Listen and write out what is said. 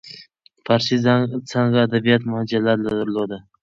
فارسي څانګه ادبیات مجله درلوده.